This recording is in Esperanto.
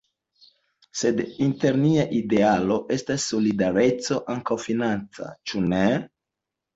Sed inter niaj idealoj estas solidareco, ankaŭ financa, ĉu ne?